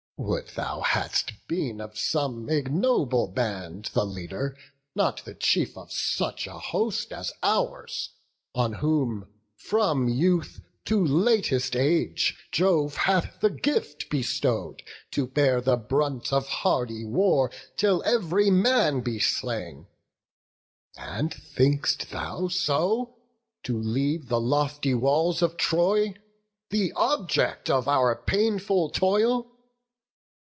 Would thou hadst been of some ignoble band The leader, not the chief of such a host As ours, on whom, from youth to latest age, Jove hath the gift bestow'd, to bear the brunt Of hardy war, till ev'ry man be slain. And think'st thou so to leave the lofty walls Of Troy, the object of our painful toil?